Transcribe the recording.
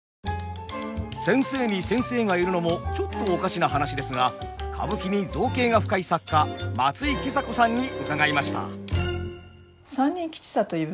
先生に先生がいるのもちょっとおかしな話ですが歌舞伎に造詣が深い作家松井今朝子さんに伺いました。